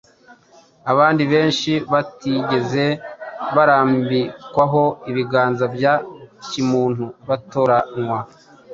abandi benshi batigeze barambikwaho ibiganza bya kimuntu batoranywa,